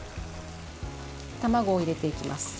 卵を入れていきます。